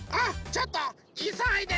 ちょっといそいで！